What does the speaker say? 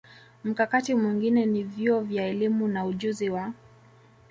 Mkakati mwingine ni vyuo vya elimu na ujuzi w